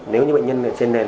nếu như bệnh nhân trên nền